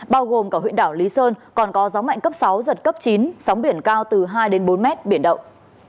bao gồm cả huyện đảo lý sơn còn có gió mạnh cấp sáu giật cấp chín sóng biển cao từ hai bốn mét biển động